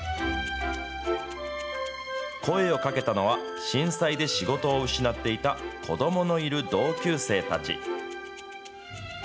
声をかけたのは、震災で仕事を失っていた、子どものいる同級生たち。